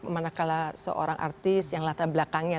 manakala seorang artis yang latar belakangnya